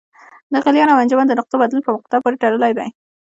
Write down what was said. د غلیان او انجماد د نقطو بدلون په مقدار پورې تړلی دی.